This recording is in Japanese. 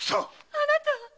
あなた！